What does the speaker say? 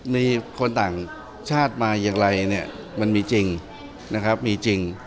มีคนต่างชาติมาอย่างไรมันมีจริง